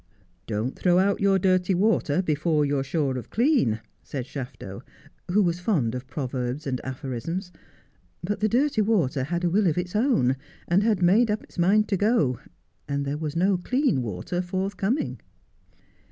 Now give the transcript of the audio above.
' Don't throw out your dirty water before you're sure of cloau,' said Shafto, who was fond of proverbs and aphorisms ; but the dirty water had a will of its own, and had made up its mind to go, and there was no clean water forthcoming.